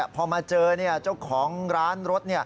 พอมาเจอเจ้าของร้านรถ